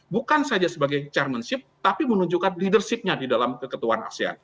bukan saja sebagai chairmanship tapi menunjukkan leadership nya di dalam keketuan asean